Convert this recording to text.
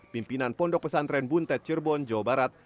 pimpinan pondok pesantren buntet cirebon jawa barat